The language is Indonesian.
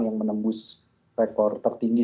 yang menembus rekor tertinggi